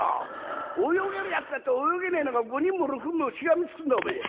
泳げるやつだって泳げねえのが５人も６人もしがみつくんだおめえ。